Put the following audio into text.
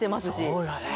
そうだね。